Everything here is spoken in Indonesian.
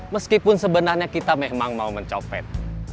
meskipun sebenarnya kita memang mau mencopet